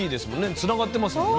つながってますもんね。